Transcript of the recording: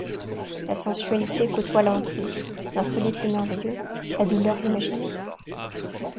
La sensualité côtoie la hantise, l’insolite le merveilleux, la douleur l’imaginaire.